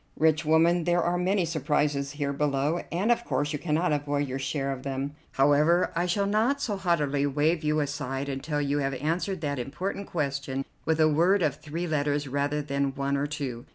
"Rich woman, there are many surprises here below, and of course you cannot avoid your share of them. However, I shall not so haughtily wave you aside until you have answered that important question with a word of three letters rather than one of two.